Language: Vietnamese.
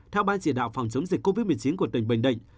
theo ban chỉ đạo phòng chống dịch covid một mươi chín của tỉnh bình định